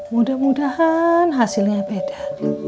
mudah mudahan hasilnya beda